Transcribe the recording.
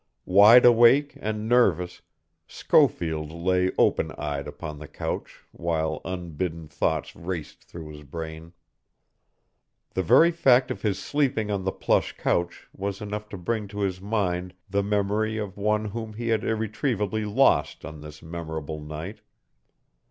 Wide awake and nervous, Schofield lay open eyed upon the couch while unbidden thoughts raced through his brain. The very fact of his sleeping on the plush couch was enough to bring to his mind the memory of one whom he had irretrievably lost on this memorable night.